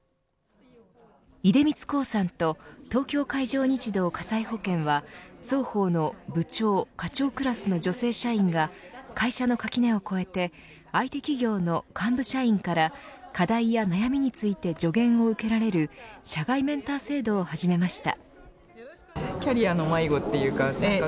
出光興産と東京海上日動火災保険は双方の部長、課長クラスの女性社員が会社の垣根を越えて相手企業の幹部社員から課題や悩みについて助言を受けられる社外メンター制度を始めました。